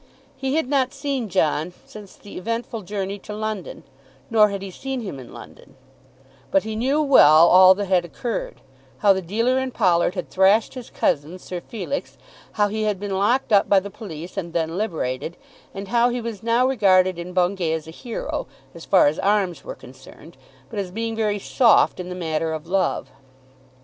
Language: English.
He had not seen John since the eventful journey to London; nor had he seen him in London; but he knew well all that had occurred, how the dealer in pollard had thrashed his cousin, Sir Felix, how he had been locked up by the police and then liberated, and how he was now regarded in Bungay as a hero, as far as arms were concerned, but as being very "soft" in the matter of love.